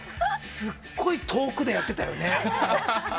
すごい遠くでやってたね。